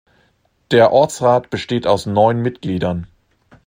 Der Ortsrat besteht aus neun Mitgliedern.